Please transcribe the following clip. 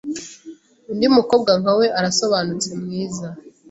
Undi Mukobwa nka we Arasobanutse mwiza